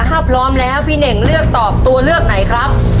ถ้าพร้อมแล้วพี่เน่งเลือกตอบตัวเลือกไหนครับ